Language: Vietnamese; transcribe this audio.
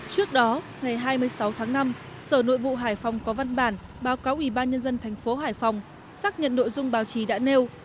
trước đó ngày hai mươi sáu tháng năm sở nội vụ hải phòng có văn bản báo cáo ubnd tp hải phòng xác nhận nội dung báo chí đã nêu